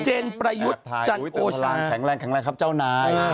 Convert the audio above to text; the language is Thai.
เจนประยุทธจันทร์โอชาาอุ๊ยแต่พลังแข็งแรงครับเจ้านาย